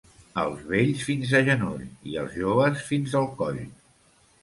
Als vells fins a genoll, i als joves fins al coll.